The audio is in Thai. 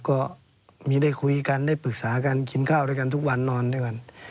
ก็มีได้คุยกันได้ปรึกษากันกินข้าวด้วยกันทุกวันนอนด้วยกัน